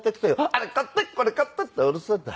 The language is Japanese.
「あれ買ってこれ買って」ってうるせえんだ。